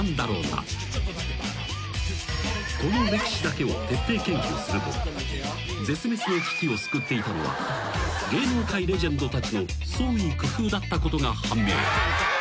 ［この歴史だけを徹底研究すると絶滅の危機を救っていたのは芸能界レジェンドたちの創意工夫だったことが判明］